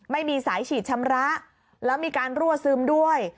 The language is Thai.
ไม่มีสายฉีดชำระแล้วมีการรั่วซึมด้วย